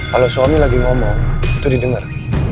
kalau suami lagi ngomong itu didengar